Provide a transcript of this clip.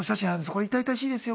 これ痛々しいですよ。